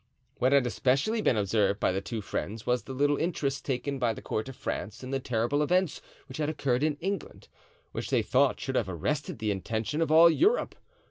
What had especially been observed by the two friends was the little interest taken by the court of France in the terrible events which had occurred in England, which they thought should have arrested the attention of all Europe.